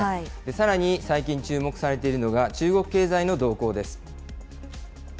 さらに最近、注目されているのが、中国経済の動向です。